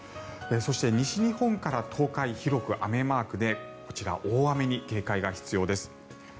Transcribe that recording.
そして、西日本から東海広く雨マークでこちら、大雨に警戒が必要です。